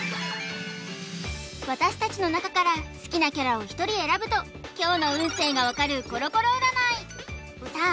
私達の中から好きなキャラを１人選ぶと今日の運勢が分かるコロコロ占いさあ